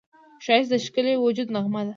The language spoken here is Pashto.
ښایست د ښکلي وجود نغمه ده